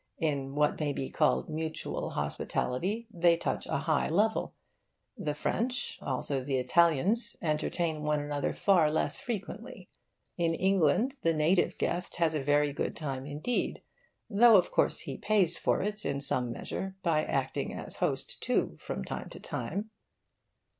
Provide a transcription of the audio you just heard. In what may be called mutual hospitality they touch a high level. The French, also the Italians, entertain one another far less frequently. In England the native guest has a very good time indeed though of course he pays for it, in some measure, by acting as host too, from time to time.